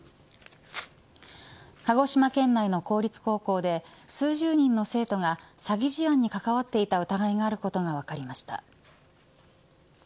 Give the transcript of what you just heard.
鹿児島県内の公立高校で数十人の生徒が詐欺事案に関わっていた疑いがあることが分かりました。